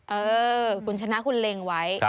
เออคุณชนะคุณเล็งไว้